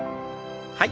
はい。